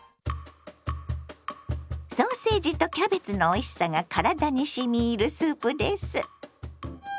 ソーセージとキャベツのおいしさが体にしみいるスープです。